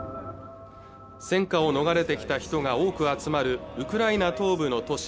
戦火を逃れてきた人が多く集まるウクライナ東部の都市